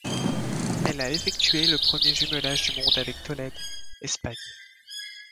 Elle a effectué le premier jumelage du monde avec Tolède, Espagne.